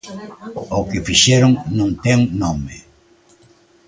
O que fixeron non ten nome.